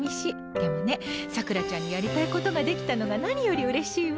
でもね、さくらちゃんがやりたいことができたのが何よりうれしいわ。